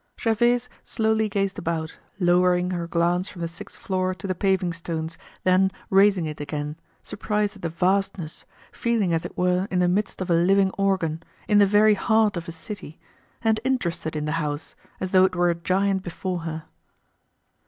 Gervaise slowly gazed about, lowering her glance from the sixth floor to the paving stones, then raising it again, surprised at the vastness, feeling as it were in the midst of a living organ, in the very heart of a city, and interested in the house, as though it were a giant before her.